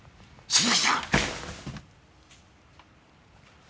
鈴木さん！